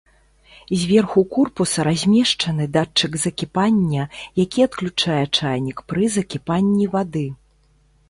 Зверху корпуса размешчаны датчык закіпання, які адключае чайнік пры закіпанні вады.